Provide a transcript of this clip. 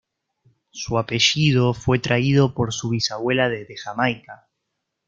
Su apellido fue traído por su bisabuela desde Jamaica.